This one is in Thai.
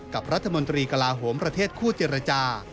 กับรัฐมนตรีกลาโหมประเทศคู่เจรจา